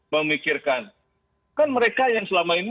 memikirkan kan mereka yang selama ini